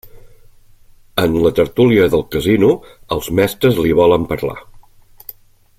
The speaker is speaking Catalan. En la tertúlia del casino els mestres li volen parlar.